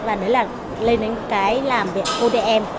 và đấy là lên đến cái làm về odm